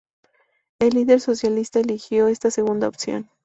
El líder socialista eligió esta segunda opción.